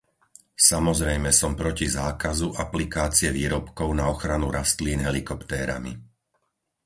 Samozrejme som proti zákazu aplikácie výrobkov na ochranu rastlín helikoptérami.